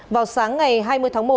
vào sáng ngày hai mươi tháng một